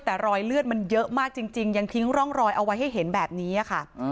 แต่รอยเลือดมันเยอะมากจริงยังทิ้งร่องรอยเอาไว้ให้เห็นแบบนี้ค่ะ